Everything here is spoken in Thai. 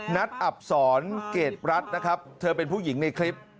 นัดอับศรเกรดรัฐนะครับเธอเป็นผู้หญิงในคลิป